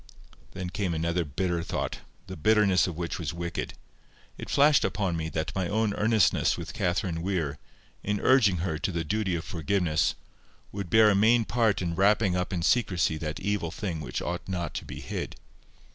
Then came another bitter thought, the bitterness of which was wicked: it flashed upon me that my own earnestness with Catherine Weir, in urging her to the duty of forgiveness, would bear a main part in wrapping up in secrecy that evil thing which ought not to be hid.